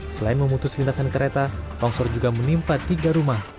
selain memutus lintasan kereta longsor juga menimpa tiga rumah